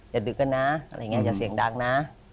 อย่าดึกกันนะอย่าเสียงดังนะ